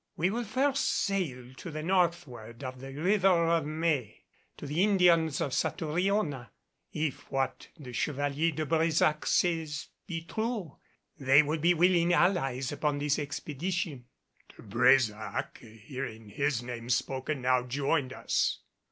We will first sail to the northward of the River of May to the Indians of Satouriona. If what the Chevalier de Brésac says be true, they will be willing allies upon this expedition." De Brésac, hearing his name spoken, now joined us.